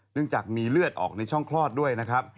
จากมีเลือดออกในช่องคลอดด้วยนะครับ